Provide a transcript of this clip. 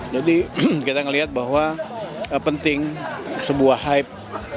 jadi kita melihat bahwa penting sebuah hype